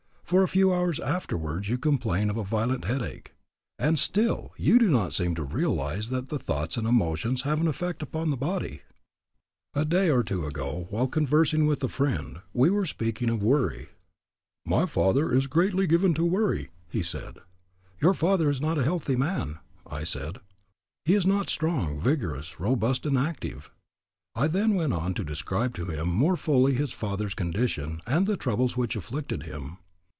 For a few hours afterwards you complain of a violent headache. And still you do not seem to realize that the thoughts and emotions have an effect upon the body. A day or two ago, while conversing with a friend, we were speaking of worry. "My father is greatly given to worry," he said. "Your father is not a healthy man," I said. "He is not strong, vigorous, robust, and active." I then went on to describe to him more fully his father's condition and the troubles which afflicted him.